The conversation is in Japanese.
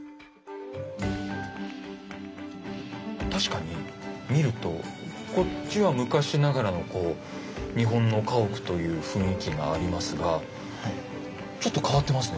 確かに見るとこっちは昔ながらのこう日本の家屋という雰囲気がありますがちょっと変わってますね